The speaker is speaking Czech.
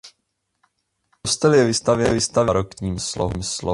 Kostel je vystavěn v barokním slohu.